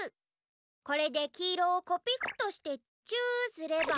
これできいろをコピットしてチューすれば。